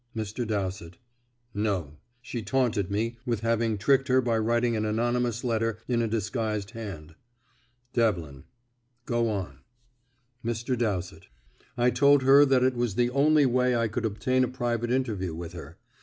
Mr. Dowsett: "No. She taunted me with having tricked her by writing an anonymous letter in a disguised hand." Devlin: "Go on." Mr. Dowsett: "I told her it was the only way I could obtain a private interview with her.